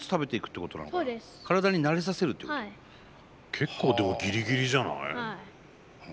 結構でもギリギリじゃない？はい。